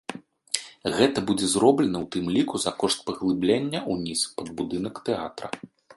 Гэта будзе зроблена ў тым ліку за кошт паглыблення ўніз, пад будынак тэатра.